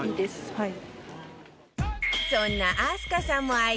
はい。